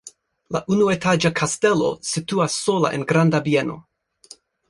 La unuetaĝa kastelo situas sola en granda bieno.